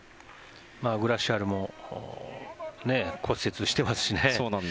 グラシアルも骨折してますしね。